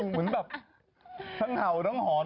เหมือนแบบทั้งเห่าทั้งหอน